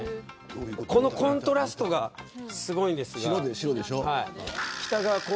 このコントラストがすごいんです。